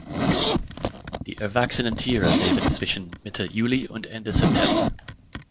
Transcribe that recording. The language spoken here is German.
Die erwachsenen Tiere leben zwischen Mitte Juli und Ende September.